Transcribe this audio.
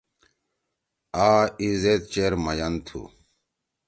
آ ای زید چیر میَن تُھو۔